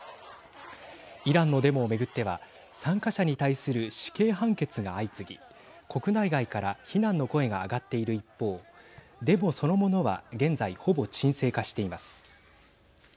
イランのデモを巡っては参加者に対する死刑判決が相次ぎ国内外から非難の声が上がっている一方デモそのものは現在ほぼ沈静化しています。